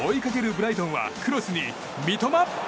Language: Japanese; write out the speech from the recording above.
ブライトンはクロスに三笘！